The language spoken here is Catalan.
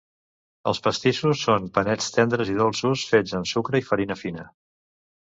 Els pastissos són panets tendres i dolços fets amb sucre i farina fina.